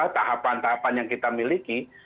tahapan tahapan yang kita miliki